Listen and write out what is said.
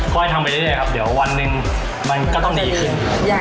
ก็ให้ทำไปด้วยเดี๋ยววันหนึ่งมันก็ต้องดีขึ้น